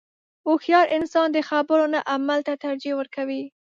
• هوښیار انسان د خبرو نه عمل ته ترجیح ورکوي.